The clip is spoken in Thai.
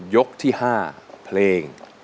ยกที่๕เพลง